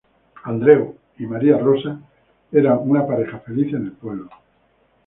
Andreu y Maria Rosa eran una pareja feliz en el pueblo.